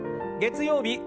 月曜日